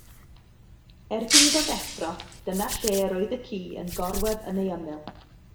Erbyn iddo ddeffro, dyna lle yr oedd y ci yn gorwedd yn ei ymyl.